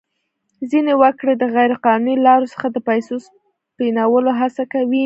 ځینې وګړي د غیر قانوني لارو څخه د پیسو سپینولو هڅه کوي.